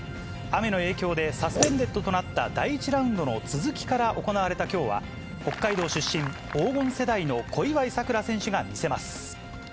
雨の影響で、サスペンデッドとなった第１ラウンドの続きから行われたきょうは、北海道出身、黄金世代の小祝さくら選手が見せます。